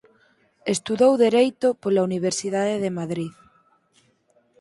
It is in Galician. Estudou dereito pola Universidade de Madrid.